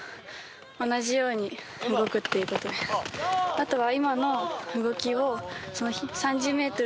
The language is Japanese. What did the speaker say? あとは。